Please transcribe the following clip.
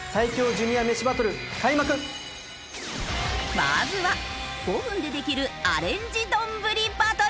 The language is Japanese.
まずは５分でできるアレンジ丼バトル！